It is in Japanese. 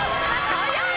早い！